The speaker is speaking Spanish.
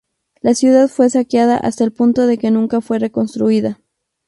La ciudad fue saqueada hasta el punto de que nunca fue reconstruida.